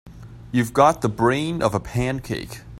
You've got the brain of a pancake.